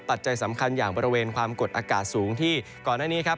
ปัจจัยสำคัญอย่างบริเวณความกดอากาศสูงที่ก่อนหน้านี้ครับ